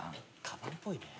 かばんっぽいね。